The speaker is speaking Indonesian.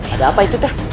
ada apa itu teh